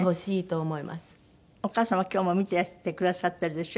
お母様は今日も見ててくださってるでしょ？